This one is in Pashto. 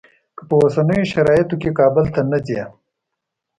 که په اوسنیو شرایطو کې کابل ته نه ځې.